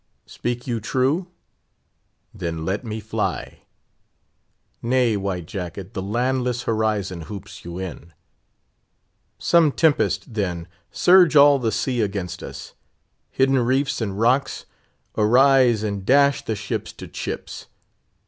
Speak you true? Then let me fly! Nay, White Jacket, the landless horizon hoops you in. Some tempest, then, surge all the sea against us! hidden reefs and rocks, arise and dash the ships to chips!